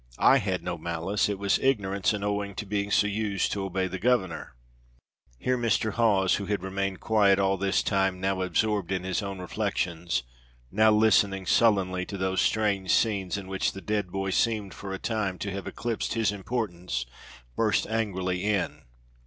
I had no malice; it was ignorance, and owing to being so used to obey the governor." Here Mr. Hawes, who had remained quiet all this time, now absorbed in his own reflections, now listening sullenly to these strange scenes in which the dead boy seemed for a time to have eclipsed his importance, burst angrily in.